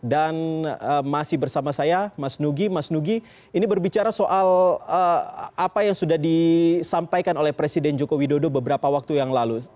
dan masih bersama saya mas nugi mas nugi ini berbicara soal apa yang sudah disampaikan oleh presiden joko widodo beberapa waktu yang lalu